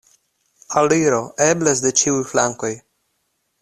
Aliro eblas de ĉiuj flankoj.